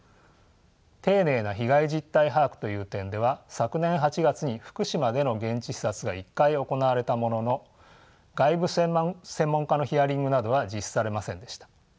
丁寧な被害実態把握という点では昨年８月に福島での現地視察が一回行われたものの外部専門家のヒアリングなどは実施されませんでした。